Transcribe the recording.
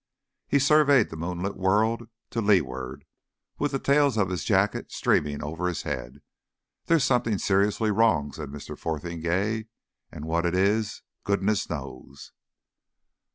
He surveyed the moonlit world to leeward, with the tails of his jacket streaming over his head. "There's something seriously wrong," said Mr. Fotheringay. "And what it is goodness knows."